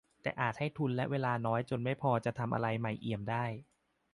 แต่อาจให้ทุนและเวลาน้อยจนไม่พอจะทำอะไรใหม่เอี่ยมได้ ?